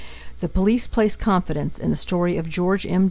The police place confidence in the story of George M.